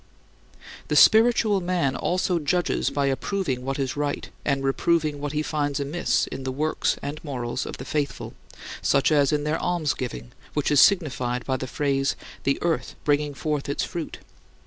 The spiritual man also judges by approving what is right and reproving what he finds amiss in the works and morals of the faithful, such as in their almsgiving, which is signified by the phrase, "The earth bringing forth its fruit."